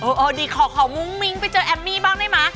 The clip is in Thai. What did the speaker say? อ่าดิเขาหงุ้งมิ้งไปเจอแอมมี่บ้างได้ไหม